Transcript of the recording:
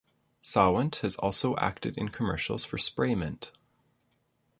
Sawant has also acted in commercials for Spraymint.